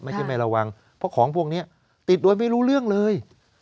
ไม่ระวังเพราะของพวกนี้ติดโดยไม่รู้เรื่องเลย